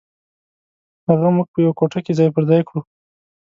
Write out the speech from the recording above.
هغه موږ په یوه کوټه کې ځای پر ځای کړو.